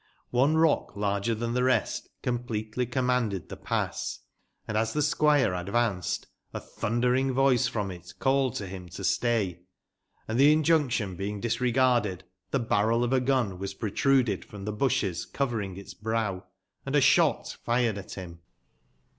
One rock, larger tban tbe rest, completely commanded tbe pass, and, as tbe squire advanced, a tbundering voice from it called to bim to stay ; and tbe injunction being disregarded, tbe barrel of a gun was protruded from tbe busbes covering its brow, and a sbot fired at bim.